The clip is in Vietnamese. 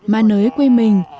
ma nới quê mình